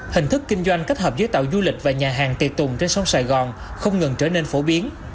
hình thức kinh doanh kết hợp với tàu du lịch và nhà hàng tiệt tùng trên sông sài gòn không ngừng trở nên phổ biến